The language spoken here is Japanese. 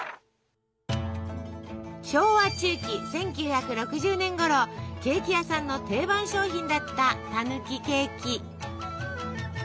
昭和中期１９６０年頃ケーキ屋さんの定番商品だったたぬきケーキ。